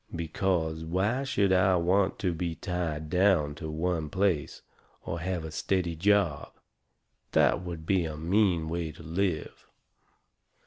Because why should I want to be tied down to one place, or have a steady job? That would be a mean way to live.